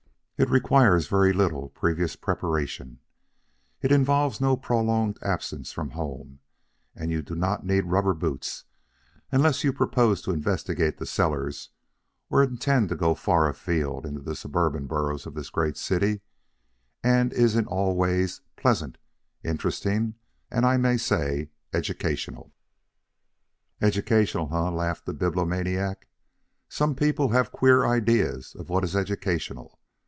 It requires very little previous preparation; it involves no prolonged absences from home; you do not need rubber boots unless you propose to investigate the cellars or intend to go far afield into the suburban boroughs of this great city; and is in all ways pleasant, interesting, and, I may say, educational." "Educational, eh?" laughed the Bibliomaniac. "Some people have queer ideas of what is educational.